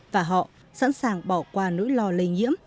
và họ sẵn sàng bỏ qua nỗi lo lây nhiễm